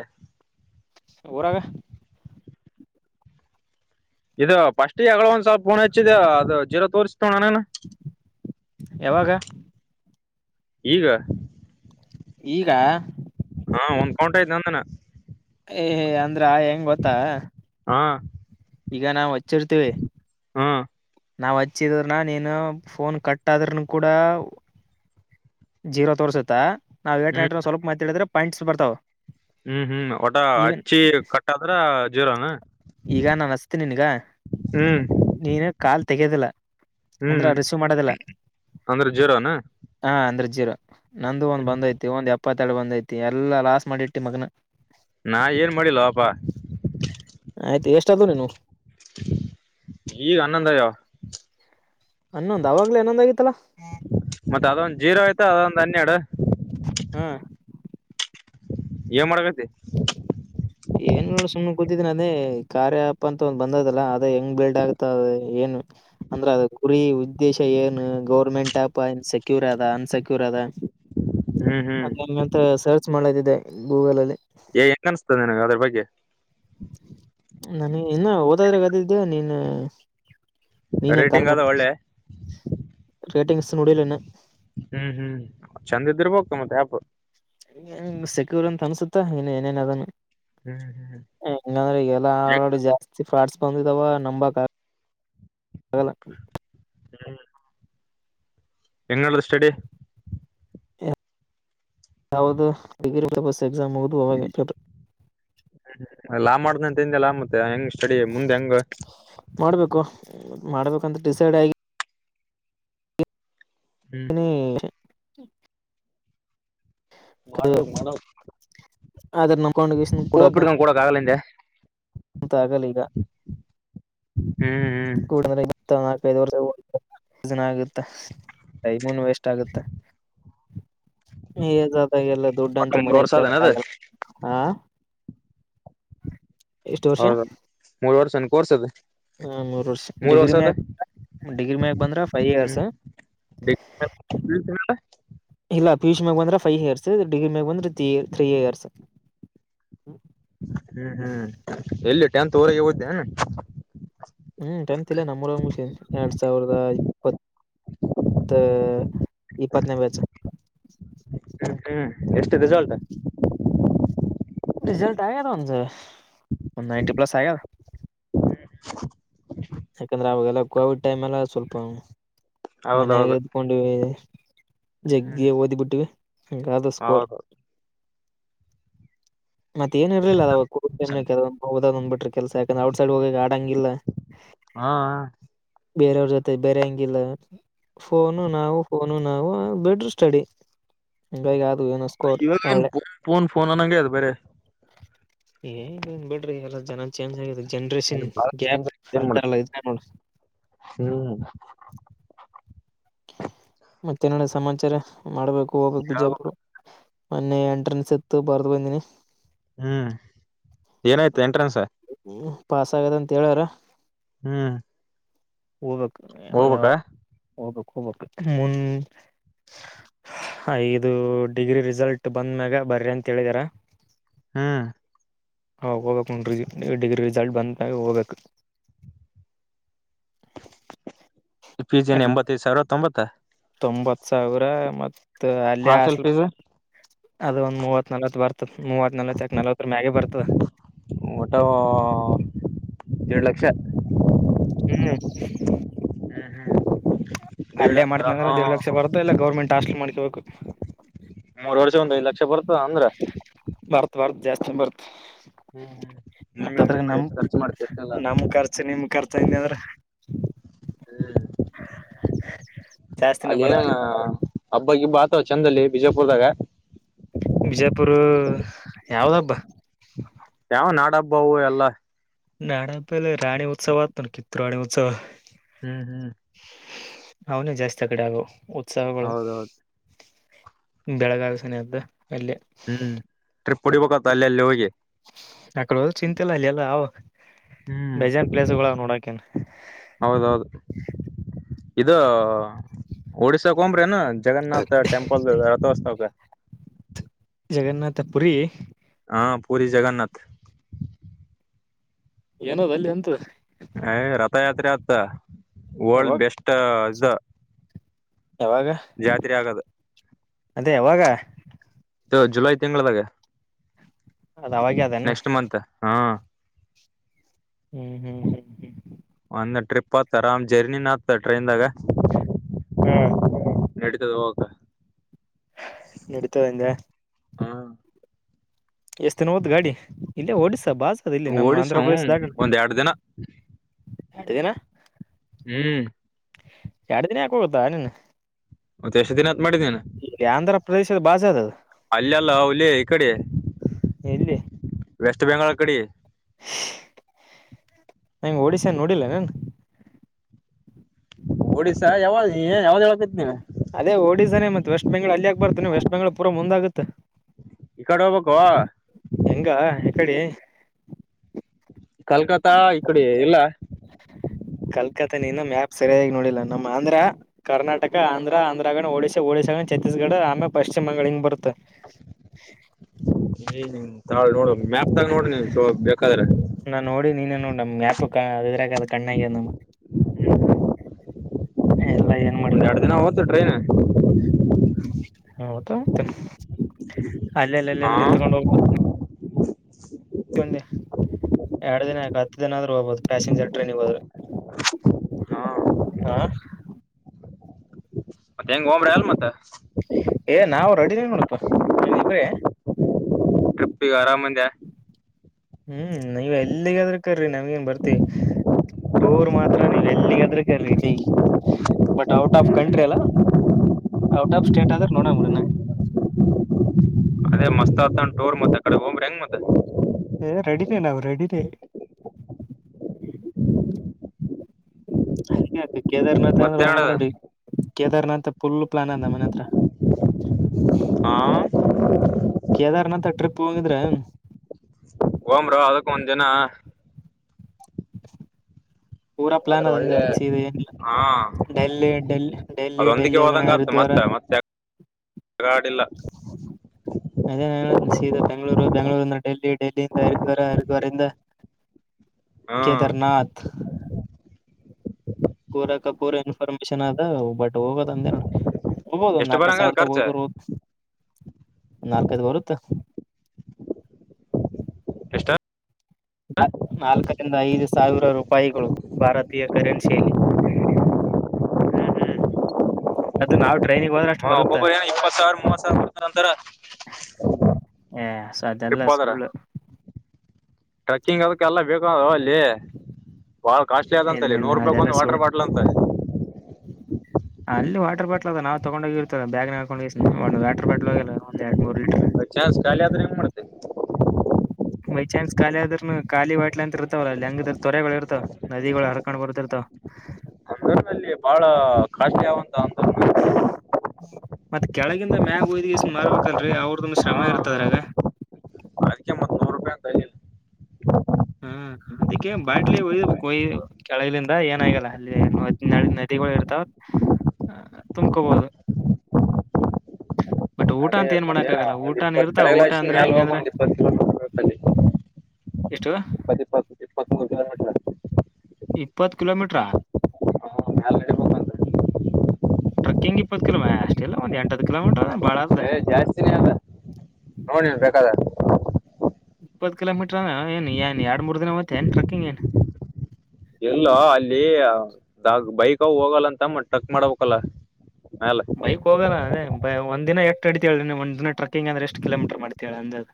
ಹ ಅವರಗ ಇದು ಫಸ್ಟ್ ಹೆಗಳ ಒಂದ್ ಸ್ವಲ್ಪ ಪೋನ್ ಹೆಚ್ಚಿದೆ ಅದು ಜೀರಾ ತೋರ್ಸ್ತಣನೇನ ಯಾವಾಗ ಈಗ ಈಗ ಹಾ ಒಂದ್ ಕೌಂಟ ಐ್ ನಂದನ ಹೇ ಅ್ರ ಹೆಂಗ ಗೊತ್ತಾ ಹಾ ಈಗ ನಾವು ಹಚ್ಚಿರ್ತೇವಿ ಹಾ ನಾವು ಹಚ್ಚಿದ್ರನ ನೀನು ಫೋನ್ ಕಟ್ ಆದ್ರನು ಕೂಡ ಜೀರೋ ತೋಸುತ್ತ ನಾವ ಹ್ಮ್ ೇಟಟವಪ ಮಾತಾಿದೆ ಪಾಯಂಟ್ಸ್ ಬರ್ತ ಹ್ಮ್ ಹ್ಮ್ ಒಟ ಅಚ್ಚಿ ಕಟ್ಟದ್ರ ಜೀರೋನ ಈಗ ನಾ ಅಸ್ತೀನಿನ್ಗ ಹ್ಮ್ ನೀನ್ ಕಾಲ್ ತೆಗೆದಲ್ಲ ಹ್ಮ್ ಅಂದ್ರೆ ಜ್ೇರಾನ ಜಿರೋ ನಂದು ಒಂದ್ ಬಂದ ಐತಿ ಒಂದ್ ಇಪ್ಪತ್ತೇಳ ಬಂದೈತಿ ಎಲ್ಲ ಲಾಸ್ ಮಾಡಿಟ್ಟು ಮಗನ ನಾ ಏನ್ ಮಾಡಿಲ್ಲಪ್ಪ ಆಯ್ತು ಎಷ್ಟು ಅದದು ನೀವು ಈಗ ಅನ್ನಂದಯ ಹನ್ನೊಂದ್ ಅವಾಗ್ಲೇ ಹನ್ನೊಂದ್ ಆಗಿತ್ತಲ್ಲಾ ಮತ್ತೆ ಅದೊಂದ್ ಜೀರಾ ಆಯ್ತಾ ಅದೊಂದ್ ಹನ್ನೆರಡು ಹಾ್ ಏನ್ ಮಾಡಕತಿ ಅೇ ಕಾರ್ಯ ಆ್ಯಪ್ ಅಂತ ಒಂದ್ ಬಂದದಲ್ಲಾ ಅದ ಹೆಂಗ್ ಬಿಲ್ಡ್ ಆಗ್ತದ ಏನ್ ಅಂದ್ರ ಅದ ಕುರಿ ಉದ್ದೇಶ ಏನು ಗೌರ್ಮೆಂಟ್ ಆ್ಯಪ್ ಸೆಕ್ಯೂರ್ ಅದ ಅನ್ಸೆಕ್ಯೂರ್ ಅದ ಹ್ಮ್ ಹ್ಮ್ ಅದ ನನ್ಗೆಂತ ಸರ್ಚ್ ಮಾಡ್ಲದಿದೆ ಗೂಗಲಲ್ಲಿ ಏ ಹೆಂಗನ್ಸ್್ತದೆ ನಿನಗೆ ಅದ್ರ ಬಗ್ಗೆ ನಾನ ಇನ್ನು ಓದಾದ್ರೆ ಅದಿದ್ದೆ ನೀನು ನೀನೇ ಕಾಲ್ ರೇಟಿಂಗ್ ಅದ ಮಾಡಿದ್ದ ಒಳ್ಳೆ ರೇಟಿಂಗ್ ನುಡಿಿಯಲ್ನ್ನು ಹ್ಮ್ ಹ್ಮ್ ಚಂದ ಇದ್ರ ಬೋಗ್ತ ಮತ್ತೆ ಯಪ ಸೆಕ್ಯೂರ್ ಅಂತ ಅನ್ಸುತ್ತಾ ಇನ್ನು ಏನೇನ ಅದನು ಹ್ಮ್ ಹ್ಮ್ ಹಂಗಂದ್ರೆ ಈಲ್ಲ ಆ ಜಾಸ್ತಿ ಫಾಡ್ ಬಂದಿದವ ನಂಬ ಹ್ಮ್ ಹೆಂಗಡ್ದ ಸ್ಟಡಿ ಯದುಪ ಬ ಎಕ್ಸಾಮ್ ಓದು ಅವಾಗ ಸ್ಟಾರ್ಟ್ ಲಾ ಮಾಡ್ದ ಅಂತಿಂದೆಲ್ಲಾ ಮತ್ತ ಹೆಂಗ ಕಡಿ ಮುಂದೆ ಹೆಂಗ ಮಾಡ್ಬೇಕು ಮಾಡ್ಬೇಕಂತ ಡಿಸೈಡ್ ಆಗಿ ಹ್ಮ್ ಇನ [inaudible] ಹ [inaudible] ಮಾಡಬೇಕ್ ಮಾಡಬೇಕ್ ಅದಾರ ನಂಬಕೊಂಡ್ [unintelligible] ಅಕೌಂಡಿಕೇಶನ್ ಕೊಡಕ ಕೊಡಕ್ ಆಗಲ್ಲ ಹಿಂದೆ ಅಂತ ಆಗಲಿ ಈಗ ಹ್ಮ್ ಹ್ಮ್ ಕೂಡಲ [inaudible] ನಾಕೈದು ವರ್ಷ ಪ್ರಯೋಜನ ಆಗುತ್ತೆ ಐದನೇನು ವೇಸ್ಟ್ ಆಗುತ್ತೆ ಏಜ ಆದಾಗ ಎಲ್ಲ ದುಡ್ಡ ಒಟ್ಟ ಅಂತ್ರ ಮೂರ್ ಮನ್ಯಾಗ ವರ್ಷ ಕೇಳಕ್ ಅದೇನದ ಆಗಲ್ಲ ಹ ಎಷ್ಟು ವರ್ಷ ಹೌದ ಮೂರ್ ವರ್ಷನ ಕೋರ್ಸ ಅದು ಹ್ಮ್, ಮೂರ್ ಡಿಗ್ರಿ ಮ್ಯಾಗ ಡಿಗ್ರಿ ಮ್ಯಾಾಗ ಬಂದ್ರ ಫೈವ್ ಹ್ಮ್ ಇಯರ್ಸ್ ಇಲ್ಲ ಪಿಯುಷಿ ಮ್ಯಾಕ್ ಬಂದ್ರೆ ಫೈವ್ ಇಯರ್ಸ್ ಡಿಗ್ರಿ ಮ್ಯಾ ಬಂದ್ರೆ three three years hmm hmm ಎಲ್ಲಿ ಟೆಂತ್ ಊರಿಗ ಹೋಧನ್ಯ ಹ್ಮ್ ಟೆಂತ್ ಇಲ್ಲ ನಮ್ಮೂರ ಮಗಶಗೊಂಡ್ ಎರಡ್ ಸಾವಿರದ ಇಪ್ಪ್ ಪತ್ತ ಇಪ್ಪತ್ತನೆ ಬ್ಯಾಚ ಹ್ಮ್ ಎಷ್ಟು ರಿಸಾಲ್ಟ ಒ ನೈಂಟಿ ಪ್ಲಸ್ ಆಗ್ಯದ ಹ [inaudible] ಯಾಕಂದ್ರೆ ಅವಾಗೆಲ್ಲ ಕೋವಿಡ್ ಟೈಮ್ ಎಲ್ಲ ಸ್ವಲ್ಪ ಹೌದೌದು ಮನ್ಯಾಗ ಇದಕೊಂಡವಿ ಹ್ಮ್ ಜಗ್ಗೆ ಓದಿ ಬಿಟ್ಟಿವ ಹಿಂಗಾದ ಸ್ಕೋರ್ ಹೌದು ಮತ್ತತ್ ಏ ಇರಲಿಲ್ಲ ಅವವುಟೈ ಹದಂದ್ ಬಿಟ್ಟ [unintelligible] ಕೆಲಸ ಆಯ್ತ ಏನ್ ಔಟ್ಸೈಡ್ ಹೋಗ ಆಡಂಗಿಲ್ಲ ಹಾ ಬೇರೆಯವ್ರ ಜೊತೆ ಬೇರೆಂಗಿಲ್ಲ ಫೋನು ನಾವು ಫೋನು ನಾವು ಬಿಟ್ಟರ ಸ್ಟಡಿ ಬೇಗ್ ಇವಾಗ ಏನ್ ಫೋನ್ ಫೋನ್ ಫೋನ್ ಅನ್ನಂಗಗೆ ಅದ ಬರ ಏನ್ ಬಿಡ್ರಿ ಎಲ್ಲ ಜನ ಚೆ ಚೇಂಜ್ ಆಗಿದೆ ಜನ್ರೇಷನ್ ಬಾಳ ಚೇಂಜ್ ಗ್ಯಾಪ್ ಏನ್ ಮಾಡ ಅಂತಲ್ಲ ಇದ ನೋಡ್ರಿ ಹ್ಮ್ ಮತ್ತೆ ನಡದಾದ್ ಸಮಾಚಾರ ಮಾಡ್ಬೇಕು ಹೋಗ್ಕ್ ಬಿಜಾಪುರ ಮನ್ನೆ ಎಂಟ್ರೆನ್ಸ್ ಎತ್ತು ಬರ್ದು ಬಯಂದೀನಿ ಹ್ಮ್ ಏನಾಯ್ತು ಎಂಟ್ರೆನ್ಸ್ ಹ್ಮ್ ಪಾಸ್ ಆಗದ ಅಂತ ಹೇಳಾರ ಹ್ಮ್ ಹೋಗ್ಬೇಕು ಯ ಹೋಗ್ಬೇಕಾ ಹೋಗಬೇಕು ಹೋಗ್ ಮುಂದ ಐದು ಡಿಗ್ರಿ ರಿಸಲ್ಟ್ ಬಂದ ಮ್ಯಾಗ ಬರ್ರಿ ಅಂತೇಳಿದಾರ ಹ್ಮ್ ಹಾ ಹೋಗಕ್ನ್ ನೀ ಡಿಗ್ರಿ ರಿಸಲ್ಟ್ ಬಂದ ಹೋಗ್ಬೇಕು ಪಿ ಜನ್ ಎಂಬತ್ತೈದು್ ಸಾವಿರ ತೊಂಬತ್ತ ತೊಂಬತ್ ಸಾವಿರ ಮ ಹಾಸ್ಟೆಲ್ ಅಲ್ಲಿಲ್ ಫೀಸ್ ಅದ ಒಂದ್ ಮೂವತ್ ನಲ್ತ್ ಬರ್ತದೆ ಮೂವತ್ ನಲ್ವ ಚಕ್ ನಲ್ವತ್ತ ಮ್ಯಾಗೆ ಬರ್ತ ಒಟ್ಟ ಷ ಹ್ಮ್ ಹ್ಮ್ ಹ್ಮ್ ದೇಡ್ ಅಲ್ಲೇ ಅಂತಾರ ಹಾ ಮಾಡ್ತನಂದ್ರೆ ದಡ್ ಲಕ್ಷ ಬರ್ತ ಇಲ್ಲ ಗೌರ್ಮೆಂಟ್ ಹಾಸ್ಟ್ಲ್ ಮಾಡ್ಕಬೇಕು ಮೂರ್ ವರ್ಷ ಒಂದ್ ಐದ್ ಲಕ್ಷ ಬರ್ತದ ಅಂದ್ರ ಬರ್ತ ಬರ್ತ ಜಾಸ್ತಿ ಬರ್ತ ಹ್ಮ್ ಹ್ಮ್ ನಿಟ್ ಮಾಡಿ ಎಷ್ಟು ಖರ್ಚ ಮಾಡ್ತ ಅಷ್ಟಲ್ಲ ಅಂತ ನಮ್ ಖರ್ಚು ನಿಮ್ ಖರ್ಚು ಹಂಗ ಅಂದ್ರ ಹ್ಮ್ ಜಾಸ್ತಿನ ಅಲ್ಲಿ ಬರುತ್ತೆ ಏನಣ ಹಬ್ಬಕ್ಕಿಬ್ಬಾತವ ಚಂದಲ್ಲಿ ಬಿಜಯಪುರದಾಗ ಬಿಜಾಪುರ್ ಯಾವ್ದ ಹಬ್ಬ ಯಾವ ನಾಡ ಹಬ್ಬವು ಎಲ್ಲಾ ನಾಾನ ಪೇಲೆ ರಾಣೀ ಉತ್ಸವವತ ಕಿತು ರಾಣಿ ಉತ್ಸವ ಹ್ಮ್ ಹ್ಮ್ ಅವನ ಜಾಸ್ತಿ ಆ ಕಡೆ ಆಗು ಸಬಳ ಹೌದೌದು ಬೆಳಗಾವ ಸನದ್ದ ಅಲ್ಲಿಯ ಕುಡಿಕ್ಕತ ಅಲ್ಲ ಅಲ್ಲಿ ಹೋಗಿ ಆಕಡೆ ಹದ ಚಿಂತೆ ಇಲ್ಲ ಅಲ್ಲಿ ಎಲ್ಲ ಅವ ಹ್ಮ್ ಬೇಜನ್ ಪ್ಲೇಸ್ಗಳುಾವ ನೋಡಕನ್ ಹೌದೌದು ಇದು ಒಡ್ಶಾ ಕಂಬ್ರೇ ನು ಜಗನ್ನಾಥ್ ಟೆಂಲ್ ರಥೋಸ್ತವಾಗ ಜಗನ್ನಥ ಪುರಿ ಹಾ ಪೂರಿ ಜಗನ್ನಥ ಏನದ ಅಲ್ಲಿ ಎಂತ ಏ ರಥಯಾತ್ರೆ ಆತ್ತ ವರ್ಲ್ಡ್ ಯಾವಾಗ ಬೆಸ್ಟ್ ಇದು ಯಾವಾಗ ಜಾತ್ರೆ ಆಗದು ಅದೇ ಅವಾಗ ಇದು ಜುಲೈ ತಿಂಗಳದಾಗ ಅದ ಅವಾಗೆ ಅದೇನು ನೆಕ್ಸ್ಟ್ ಮಂತ್ ಹಾ ಹ್ಮ್ ಹ್ಮ್ ಹ್ಮ್ ಹ್ಮ್ ಒಂದ ಟ್ರಿಪ್ ಆತರಾಮ್ ಜರ್ನಿನ ಆತ ಟ್ರೈನ್ದಾಗ ಹಾ ನಡೀತದ ಹೋಗ ನಡತದಿಂದ ಹಾ ಎಷ್ಟ್ ದಿನ ಓದ್ ಗಾಡಿ ಇಲ್ಲೇ ಓಡಸ ಓಡಿಸ ಒಂದ್ ಎರಡು ದಿನ ಇದಿನ ಹ್ಮ್ ಎರಡು ದಿನ ಯಾಕ ಹೋಗುತ್ತಾ ನಿನ್ ಉದೇಶ ದಿನ ಮಾಡಿದೇನೆ ಪ್ರದೇಶದ ಬಾಜಾರ ಅಲ್ಲಿ ಅಲ್ಲ ಹುಲಿ ಈ ಕಡೆ ಇಲ್ಲಿ ವೆಸ್ಟ್ ಬೆಂಗಾಳ ಕಡೆ ನಂಗ ಒಡಿಶನ್ ನೋಡಿಲ್ಲ ನನ್ ಒಡಿಸ್ಾ ಯಾವ್ದ ನೀ ಯಾವ್ದ ಯಾವಕತ್ ನೀ ಅದೇ ಡಿಸಸಾನೇ ಮತ್ ವೆಸ್ಟ್ ಬೆಂಗಗಳಳ ಅಲ್ಲಿಯಾಕ್ ಬರ್ತಾನನೆ ವೆಸ್ಟ್ ಬೆಂಗಳ ಪೂರ ಮುಂದಾಗುತ್ತೆ ಇಕಡೆ ಹೋಗಬಬೇಕ ಹೆಂಗ ಈ ಓ ಕಡೆ ಕಲ್ಕತ್ತಾ ಇ ಕಡೆ ಇಲ್ಲ ತ ಇನ್ನ ಮ್ಯಾಪ್ ಸರಿಯಾಗಿ ನೋಡಿಲ್ಲಾ ನಮ್ ಆಂದ್ರ ಕರ್ನಾಟಕ ಆಂಧ್ರ ಆಂದ್ರ ಆಗಣ ಒಡಿಶಾ ಒಡಿ್ಾ ಆಗಣ ಛತ್ತೀಸ್ಗಡ ಆಮೇ ಪಶ್ಚಿಮ ಬಂಗಾಳ ಹಿಂಗ್ ಬರುತ್ತ ಈ ತಾಳ ನೋಡ ಮ್ಯಾಪ್ ತಾಗ ನೋಡ್ರಿ ನೀವು ಸೊ ಬೇಕಾದ್ರೆ ಹ ಅದ ಅ ಕಣ್ಣಾಗಿಂದಮ್ಮ ಹ್ಮ ಒಂದೆರಡು ದಿನ ಹೋತ್ತು ಟ್ರೈನ್ ಹೌದ ಮತ್ತೆ ಅಲ್ಲೆಲ್ಲ ಹಾ ಅಲ್ಲೆಲ್ಲಿ ನಿತ್ಕೊಂಡು ಹೋಗ್ಬ ಎರಡು ದಿನ ಯಾಕ ಹತ್ತು ದಿನ ಆದ್ರೂ ಹೋಗ್ಬೋದು ಪ್ಯಾಸೆಂಜರ್ ಟ್ರೈನ್ ಗೆ ಹೋದರು ಹಾ ಹ ಮತ್ತೆ ಹೆಂಗ ಹಂಬ್ರೆ ಅಲ್ ಮತ್ತ ಏ ನಾವ್ ರೆಡಿದೀ ನೋಡಪ್ಪಾ ಏನ್ ಇಬ್ರೆ ಟ್ರಿಪ್ಪಿ ಆರಾಮಂದಯ ಹ್ಮ್ ನೀವ್ ಎಲ್ಲಿಗದ್ರ ಕರ್ರಿ ನಮ್ಗ ನ್ ಬರ್ತಿವಿ ಟೂರ್ ಮಾತ್ರ ನೀವ್ ಎಲ್ಲಿಗದ್ರರ್ರಿ ಬಟ್ ಔಟ್ ಆಫ್ ಕಂಟ್ರಿ ಅಲ್ಲ ಔಟ್ ಆಫ್ ಸ್ಟೇಟ್ ಆದ್ರ ನೋಡಂಗಡಿನ ಅದೇ ಮಸ್ತ್ ಅತ ಟೂರ್ ಮತ್ತೆ ಕಡೆ ಹೋಗ್ರೇಮತ್ತೆ ನಾವು ರೆಡಿ ರೇ ಹ್ಹಾ ಟಿಕ್ ಕೇದಾರನಾಥ್ ಮತ್ತೇನ್ ಅಂದ್ರೆಲವ್ ನಡದ ಮಾರೋಡಿ ಕೇದಾರ್ನಾಥ ಪುಲ್ಲು ಪ್ಲಾನಂದ ಮನೆ ಹತ್ರ ಹಾ ಕೇದಾರ್ನಾಥ ಟ್ರಿಪ್ ಹೋಗಿದ್ರ ಓಮರು ಅದಕ್ಕ ಒಂದ್ ದಿನ ಚ್ಚು ಪೂರಾ ಪ್ಲಾನ್ ಅದಜ ಅದಕ್ಕೆ ಸಿದೆ ಏನಿಲ್ಲ ಹಾ ಡೆಲ್ಲಿ ಡೆಲ್ ಡೆಲ್ಲಿ ಅದೊಂದಿಗೆ ಡೆಲ್ಲಿ ಆಗಣ ಹೋದಂಗ ಆತ್ ಹರಿದ್ವಾರ ಮತ್ತ ಮತ್ತೆ ಗಾಡಿಲ್ಲ ಅದೇ ಸ ಬೆಂಗ್ಳೂರು ಬೆಂಗ್ಗಳೂರಿಂದ ಡೆಲ್ಲಿ ಡೆಲ್ಲಿಯಿಂದ ಹರಿದ್ವಾರ ಹರಿದ್ವಾರಿಂದ ಹ್ಮ್ ಕದಾರನಾಥ್ ಕೂರಕ ಕೂರ ಇನ್ಫಾರ್ಮೇಶನ್ ಅದ ಬಟ್ ಹೋಗೋದು ಒಂದೆರಡು ಹೋಗೋದು ಒಂದಂದು ಎಷ್ಟ್ ನಾಲ್ಕ ಬರಂಗ ಸಾವಿರ ತ ಖರ್ಚ ಹೋಗರು ಹದು ನಾಲ್ಕು ಏದು ಬರುತ್ತಾ ಎಷ್ಟಾ ನ ನಾಲ್ಕರಿಂದ ಐದು ಸಾವಿರ ರೂಪಾಯಿಗಳು ಭಾರತೀಯ ಕರೆನ್ಸಿಯಲ್ಲಿ ಅದು ನಾವು ಟ್ರೈನಿಗೆ ಹೋದ್ರೆ ಅಷ್ಟು ಹಾ ಬರುತ್ತಾ ಒಬ್ಬೊಬ್ಬ ಏನ ಇಪ್ಪತ್ ಸಾವಿರ ಮೂವತ್ ಸಾವರ ಬರ್ತ ಅಂತಾರ ಏ ಅದೆಲ್ಲ ಟ್ರೀಪ್ ಹೋದರೆ ಸುಳ್ಳು ಟ್ರೆಕ್ಕಿಂಗ್ ಅದಕ್ಕೆ ಎಲ್ಲ ಬೇಕು ಅದು ಅಲ್ಲಿ ಬಹಳ ಕಾಸ್ಟ್ಲಿ ಅ ಅಂತ ಇಲ್ಲ ಇಲ್ಲ ನೂರು ರೂಪಾಯಿಕ್ ಅದೆಲ್ಲ ಒಂದು ಸುಳ್ಳು ವಾಟರ್ ಬಾಟ್ಲ್ ಅಂತ ಅಲ್ಲಿ ವಾಟರ್ ಬಾಟ್ಲ್ ಅದ ನಾವವು ತಗೊಂಡ ಹೋಗಿರ್ತದ ಬಾಗ್ ನ ಹಾಕೊಂಡೋಗ ಒ ವಾಟರ್ ಬಾಲ್ ಹೋಗಲ್ಲ ಒಂದ ಎರಡ್ ಮೂರ್ ಲೀಟರ್ ಬೈ -ಚಾನ್ಸ್ ಖಾಲಿ ಆದ್ರೆಂಗ ಮಾಡುತ್ತೆ ಬೈ ಚಾನ್ ಖಾಲಿ ಆದದ್ರನು ಖಾಲಿ ವಾಟ್ಲಿ ಅಂತ ಇರ್ತವಲ್ಲ ಅಲ್ಲಿ ಹೆಂಗಿದ್ರ ತತ್ವರೆಗಳು ಇರ್ತಾವ ನದಿಗಳು ಹರ್ಕೊಂಡ್ ಬರ್ತಿ ಇರ್ತಾವ ಟೌನ್ ನಲ್ಲಿ ಬಹಳ ಕ್ಲಾ ಅ ಮತ್ತೆ ಕೆಳಗಿಂದ ಮ್ಯಾಗ ಒಯ್ದ ಇಷ್ಟ ಮಾರ್ಬೇಕಲ್ರರಿ ಅವ್ರ್ದುಂದು ಹಾ ಶ್ರಮ ಇರ್ತದ್ರಾಗ ಅದಕ್ಕೆ ಮತ್ ನೂರ್ ರೂಪಾಯಿ ಅಂತ ಅಲ್ಲಿ ಹ್ಮ್ ಅದಕ್ಕೆ ಬಾಟ್ಲಿ ಉಳಬೇಕಯಿ ಕೆಳಗಲಿಂದ ಏನಾಗಿಲ್ಲ ಅಲ್ಲಿ ನ ನದಿಗಳು ಇರ್ತಾವ ತುಂಬಕೋಬೋುದು ಅದೇ ಮದ್ಯಾ ಒಂದ್ ಇಪ್ಪತ್ತು ಕಡೆಗಳ ಊಟ ಅಷ್ಟ ಅಂದ್ರೆ ಮೇಾಲ ಹೋಗ ಹೆಂಗಂದ್ರೆ ಒಂದ್ ಇಪ್ಪತ್ತು ಕಿಲೋಮೀಟರ್ ಬೇಕಲ್ಲಿ ಎಷ್ಟು ಕಿಲೋಮೀಟರ್ ಇಪ್ಪತ್ ಕಿಲೋಮೀಟ್ರ ಮ್ಯಾಲ ನಡಿಬೇಕಂತ ಟ್ರೆಕ್ಕಿಂಗ್ ಇಪ್ಪತ್ ಕಿಲೋ ಅಷ್ಟಲ್ಲ ಒಂದ್ ಎಂಟ ಕಿಲೋಮೀಟ್ರ ಬಾಳ ಜಾಸ್ತಿನೇ ಅ ನೋಡಿ ನೀನ್ ಬೇಕಾದ ಇಪ್ಪತ್ ಕಿಲೋಮೀಟ್ರ ಏನು ಏನ್ ಎರಡು ಮೂರ್ ದಿನ ಮತ್ತೆ ಏನ್ ಟ್ರೆಕ್ಕಿಂಗ್ ಏನ್ ಎಲ್ಲೋ ಅಲ್ಲಿ ದಾಗ ಬೈಕ್ ಹೋಗಲ್ಲ ಅಂತ ಟಕ್ ಮಾಡಬೇಕಲ್ಲ ಮೈಕ್ ಹೋಗೋಣ ಅದೇ ಒಂದು ದ ದಿನ ಎಷ್ಟು ಅಡತೀೇಳಿ ನೀ ಒಂದ ದಿನ ಟ್ರಕಿಂಗ್ ಅ್ರ ಎಷ್ಟ ಕಿೋಮಟರ್ ಮಾಡತೀ ಹೇಳಿ ಅಂದ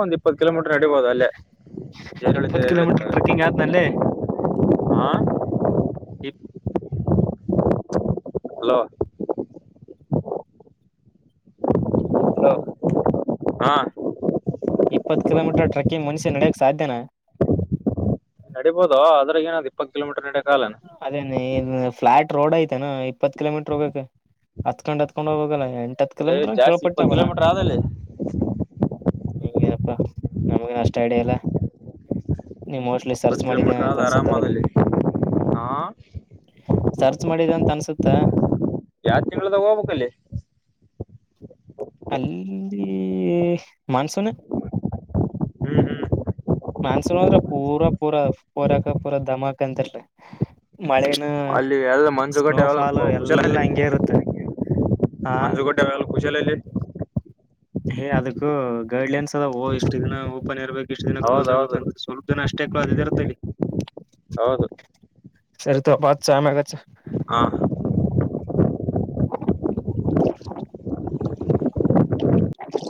ಒಂದ ಇಪ್ಪತ್ತು ಕಿಲೋಮೀಟರ್ ನಡೀಬೋುದು ಅಲ್ಲೇ ಏರಿಳಿತ ಇಪ್ಪತ್ ಏರಿಳಿತ ಕಿಲೋಮೀಟರ್ ಟ್ರೆಕ್ಕಿಂಗ್ ಆದ್ನಲ್ಲಿೆ ಹಾ ಹಲೋ ಹ ಹಾ ಇಪ್ಪತ್ತು ಕಿಲೋ ಮೀಟರ್ ಟ್ರೆಕ್ಕಿಂಗ್ ಮುನುಷ್ಯ ನಡಕ್ ಸಾಧ್ಯನಾ ನಡಬಹದು ಆದದ್ರೆ ಏನಾದ ಪ್ಪ ಕಿಲೋಮೀಟರ್ ಎಟಕಾಲ ಫ್ಲಾ ರೋಡ್ ಐತೆನಾ ಇಪ್ಪತ್ ಕಿಲೋಮೀಟರ್ ಹೋಗೋಕ್ಕೆ ಹತ್ಕೊಂಡ್ ಹತ್ಕೊಂಡ್ ಹೋಗಲ್ಲ ಎಂ ಏ್ ಜಾಸ್ತಿ ಇಪ್ಪತ್ತು ಕಿಲೋಮೀಟರ್ ಆದಲ್ಲಿ ಹಂಗೇನಪ್ಪಾ ನಮಗ ಅಷ್ಟ ಐಡಿಯ ಇಲ್ಲ ನೀ ಮೋಸ್ಟ್ ಇಪ್ಪತ್ ಸರ್ಚ್ ಮಾಡಿದ್ದೇನೆ ಕಿಲೋಮೀಟರ್ ಅಂತ ಆದ ಅನ್ಸುತ್ತ ಆರಾಮ ಆದಲ್ಲಿ ಅದ್ರಗೆ ಹಾ ಸರ್ಚ್ ಮಾಡಿದಂತ ಅನ್ಸುತ್ತ ಜಾತ್ರಿಗಳದ ಹೋಗ್ಬೇಕಕ್ಲ್ಲೇ ಅಲ್ಲಿ ಮಾನ್ಸೂನ್ ಹ್ಮ್ ಹ್ಮ್ ಮಾನ್ಸೂನ್ ಹೋದ್ರ ಪೂರಾ ಪೂರ ಪೂರಕ ಪೂರಾ ಧಮಕ್ ಅಂತಲ್ರಿ ಮಳೆ ಅಲ್ಲಿ ಎ ಮನ್ಸು ಕಟ್ಟೆ ಎಲ್ಲ ಹುಷಲ ಎಲ್ಲಾ ಹಂಗೆ ಇರುತ್ತೆ ಆ ಮಂಜು ಕೊಡ್ಡ ಅವಲ್ಲ ಖುಷಿಯಲ್ಲ ಇಲ್ಲಿ ೇ ಅದಕ್ಕೂ ಗೈಡ್ಲೈನ್ಸ್ ಅದ ೋ ಇಷ್ಟು ದಿನ ಓಪನ್ ಇರ್ಬೇಕು ಇಷ್ಟು ದಿನ ಕ್ಲೋಸ್ ಹೌದೌದು ಆಗ್ಬೇಕಂತ ಸ್ವಲ್ಪ ದಿನ ಅಷ್ಟೇ ಕ್ಲೋ್ ಹ್ಮ್ ಇದದೆಾರದಲ್ಲಿ ಹೌದು ಸರಿ ತಪ್ಪತ್ತು ಚಾಮಾಗ ಹಾ [unintelligible] [inaudible]